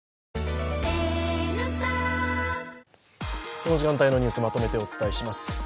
この時間帯のニュース、まとめてお伝えします。